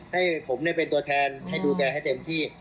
ให้ผมเป็นตัวแทนให้ดูแกให้เต็มที่